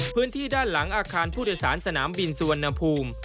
พื้นที่ด้านหลังอาคารผู้โดยสารสนามบินสุวรรณภูมิ